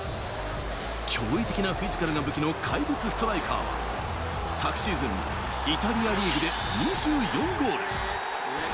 驚異的なフィジカルが武器の怪物ストライカーは、昨シーズンイタリアリーグで２４ゴール。